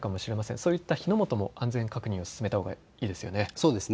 そういった火の元も安全の確認を進めたほうがいいですよね。